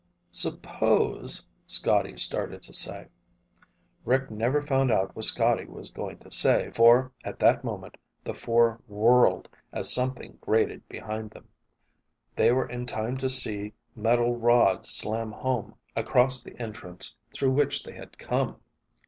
"Suppose...." Scotty started to say. Rick never found out what Scotty was going to say, for at that moment the four whirled as something grated behind them. They were in time to see metal rods slam home across the entrance through which they had come!